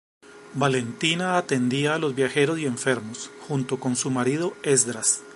Valentina atendía a los viajeros y enfermos, junto con su marido Esdras.